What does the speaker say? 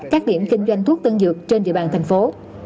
các điểm kinh doanh thuốc tân dược trên địa bàn thành phố